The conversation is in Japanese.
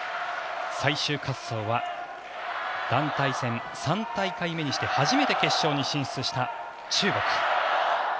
最終滑走は団体戦、３大会目にして初めて決勝に進出した中国。